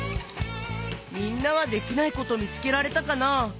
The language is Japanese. みんなはできないことみつけられたかな？